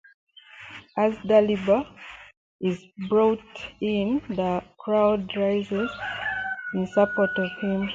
As Dalibor is brought in, the crowd rises in support of him.